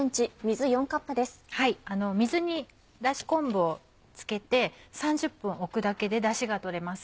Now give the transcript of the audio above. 水にだし昆布をつけて３０分置くだけでだしが取れます。